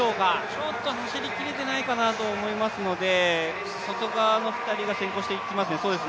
ちょっと走りきれてないかなと思いますので、外側の２人が先行していきますね。